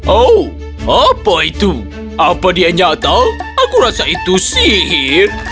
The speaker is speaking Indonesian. oh apa itu apa dia nyata aku rasa itu sihir